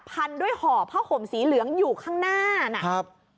พันด้วยห่อผ้าห่มสีเหลืองอยู่ข้างหน้านะครับ